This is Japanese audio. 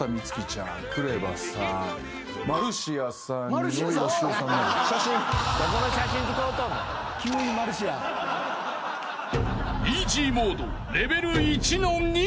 ［イージーモードレベル１の２］